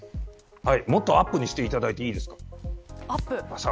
もっとアップにしていただいていいですか。